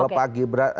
kalau pak gibran